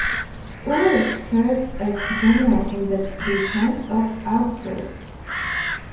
Ulrich served as general in the defense of Augsburg.